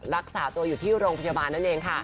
รักษาตัวอยู่ที่โรงพยาบาลนั่นเองค่ะ